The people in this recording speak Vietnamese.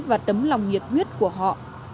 và tấm lòng nhiệt huyết của họ